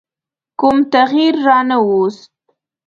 کوم تغییر رانه ووست.